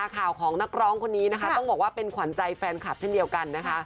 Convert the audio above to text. ข่าวของนักร้องคนนี้นะคะต้องบอกว่าเป็นขวัญใจแฟนคลับเช่นเดียวกันนะคะ